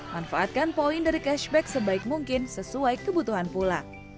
manfaatkan poin dari cashback sebaik mungkin sesuai kebutuhan pula